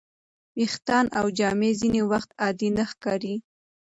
ویښتان او جامې ځینې وخت عادي نه ښکاري.